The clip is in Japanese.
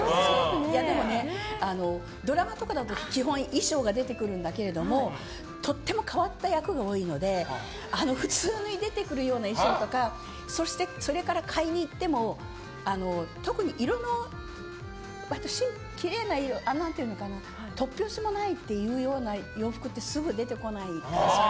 でもね、ドラマとかだと基本、衣装が出てくるんだけどもとても変わった役が多いので普通に出てくるような衣装とかそれから買いに行っても特に色のきれいな突拍子もないっていうような洋服ってすぐ出てこないでしょ。